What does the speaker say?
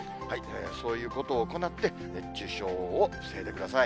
そういうことを行って、熱中症を防いでください。